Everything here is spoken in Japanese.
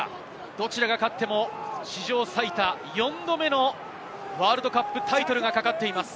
どちらが勝っても史上最多４度目のワールドカップタイトルがかかっています。